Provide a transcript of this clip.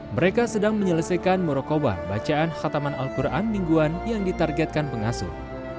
mereka sedang menyelesaikan murakobah bacaan khataman al quran mingguan yang ditargetkan pengasuh